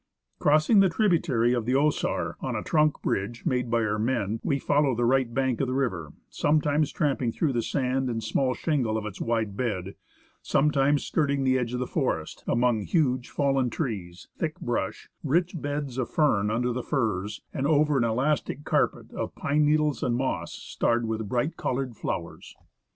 Crossing the tributary of the Osar on a trunk bridge made by our men, we followed the right bank of the river, sometimes tramping through the sand and small shingle of its wide bed, sometimes skirt ing the edge of the forest, among huge fallen trees, thick brush, rich beds of fern under the firs, and over an elastic carpet of pine needles and moss starred with bright coloured flowers.